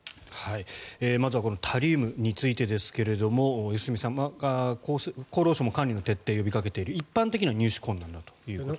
まずはタリウムについてですが良純さん、厚労省も管理の徹底を呼びかけている一般的には入手困難だということです。